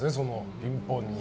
「ピンポン」に。